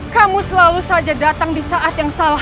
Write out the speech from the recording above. kamu selalu saja datang di saat yang salah